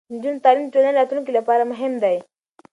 د نجونو تعلیم د ټولنې راتلونکي لپاره مهم دی.